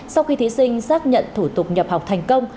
sau khi thí sinh xác nhận thủ tục nhập học thành công